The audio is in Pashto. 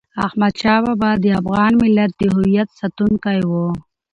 احمد شاه بابا د افغان ملت د هویت ساتونکی و.